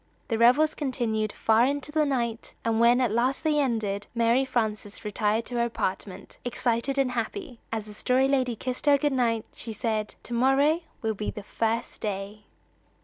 The revels continued far into the night; and when at last they ended, Mary Frances retired to her apartment, excited and happy. As the Story Lady kissed her good night, she said: "To morrow will be the first day."